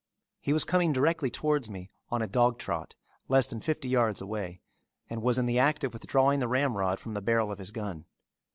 He was coming directly towards me, on a dog trot, less than fifty yards away, and was in the act of withdrawing the ramrod from the barrel of his gun.